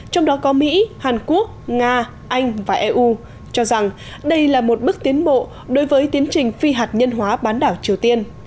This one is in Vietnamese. trong đó có mỹ hàn quốc nga anh và eu cho rằng đây là một bước tiến bộ đối với tiến trình phi hạt nhân hóa bán đảo triều tiên